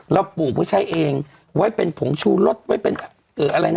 ปลูกไว้ใช้เองไว้เป็นผงชูรสไว้เป็นอะไรนะ